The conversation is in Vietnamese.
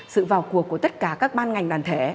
sự vào cuộc của tất cả các ban ngành đoàn thể